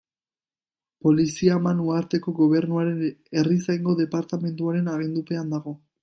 Polizia Man Uharteko Gobernuaren herrizaingo departamentuaren agindupean dago.